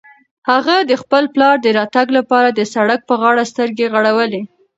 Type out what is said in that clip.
هغه د خپل پلار د راتګ لپاره د سړک په غاړه سترګې غړولې.